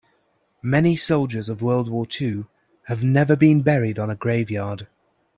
Many soldiers of world war two have never been buried on a grave yard.